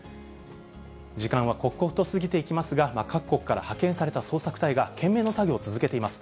時間は刻々と過ぎていきますが、各国から派遣された捜索隊が懸命の作業を続けています。